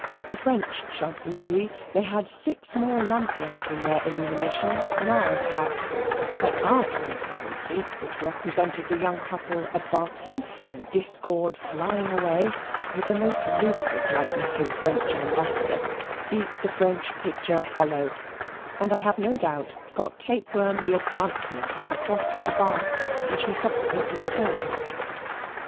At the French Chancellerie they had six more lampions in their illumination than ours had; but our transparency, which represented the young Couple advancing and Discord flying away, with the most ludicrous likeness to the French Ambassador, beat the French picture hollow; and I have no doubt got Tapeworm the advancement and the Cross of the Bath which he subsequently attained.